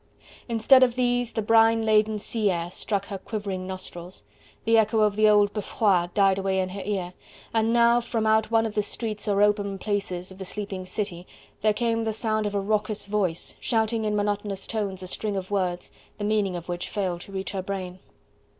Instead of these the brine laden sea air struck her quivering nostrils, the echo of the old Beffroi died away in her ear, and now from out one of the streets or open places of the sleeping city there came the sound of a raucous voice, shooting in monotonous tones a string of words, the meaning of which failed to reach her brain.